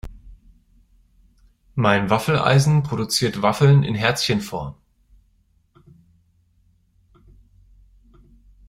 Mein Waffeleisen produziert Waffeln in Herzchenform.